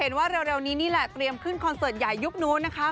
ว่าเร็วนี้นี่แหละเตรียมขึ้นคอนเสิร์ตใหญ่ยุคนู้นนะคะ